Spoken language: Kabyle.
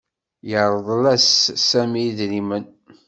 Yerḍel-s Sami idrimen.